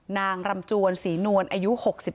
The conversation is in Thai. นางรำจวนศรีนวลอายุ๖๒